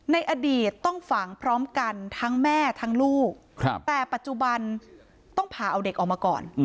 ในอดีตต้องฝังพร้อมกันทั้งแม่ทั้งลูกแต่ปัจจุบันต้องผ่าเอาเด็กออกมาก่อน